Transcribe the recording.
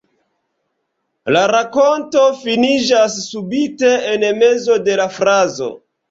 La rakonto finiĝas subite, en mezo de la frazo.